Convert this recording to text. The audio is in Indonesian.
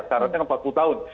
syaratnya empat puluh tahun